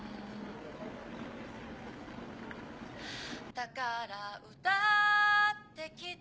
「だから歌ってきた」